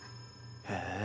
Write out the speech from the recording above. へえ。